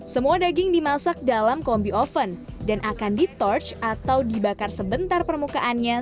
semua daging dimasak dalam kombi oven dan akan di touch atau dibakar sebentar permukaannya